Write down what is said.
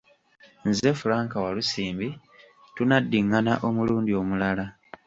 Nze Frank Walusimbi, tunaddingana omulundi omulala.